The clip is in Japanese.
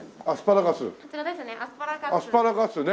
アスパラガスね。